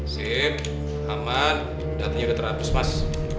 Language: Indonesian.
sip aman datanya sudah terhapus mas